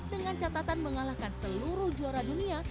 dengan catatan mengalahkan seluruh juara dunia